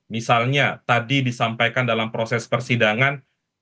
misalnya tadi disampaikan dalam proses persidangan